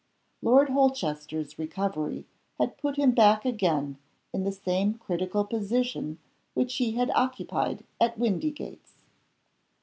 Lord Holchester's recovery had put him back again in the same critical position which he had occupied at Windygates.